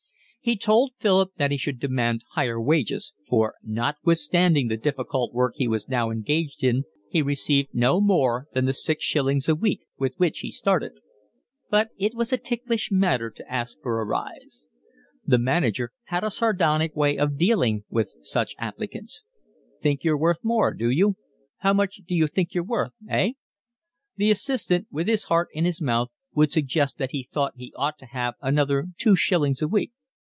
He told Philip that he should demand higher wages, for notwithstanding the difficult work he was now engaged in, he received no more than the six shillings a week with which he started. But it was a ticklish matter to ask for a rise. The manager had a sardonic way of dealing with such applicants. "Think you're worth more, do you? How much d'you think you're worth, eh?" The assistant, with his heart in his mouth, would suggest that he thought he ought to have another two shillings a week.